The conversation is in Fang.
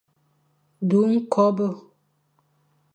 Du ñkobe.